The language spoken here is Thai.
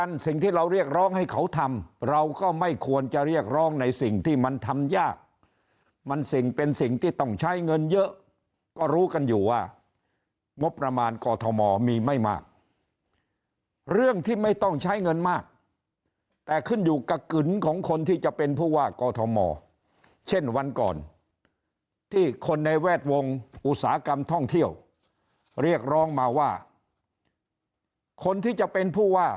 สิ่งที่เราเรียกร้องให้เขาทำเราก็ไม่ควรจะเรียกร้องในสิ่งที่มันทำยากมันสิ่งเป็นสิ่งที่ต้องใช้เงินเยอะก็รู้กันอยู่ว่างบประมาณกอทมมีไม่มากเรื่องที่ไม่ต้องใช้เงินมากแต่ขึ้นอยู่กับกึนของคนที่จะเป็นผู้ว่ากอทมเช่นวันก่อนที่คนในแวดวงอุตสาหกรรมท่องเที่ยวเรียกร้องมาว่าคนที่จะเป็นผู้ว่า